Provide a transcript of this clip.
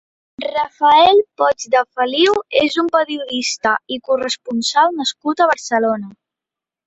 Rafael Poch-de-Feliu és un periodista i corresponsal nascut a Barcelona.